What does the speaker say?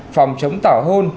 phòng chống tỏa hôn